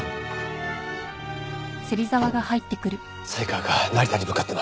犀川が成田に向かってます。